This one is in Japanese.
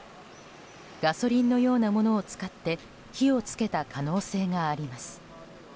ガソリンのようなものを使って火をつけた可能性があります。